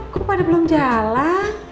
kok pada belum jalan